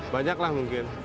banyak lah mungkin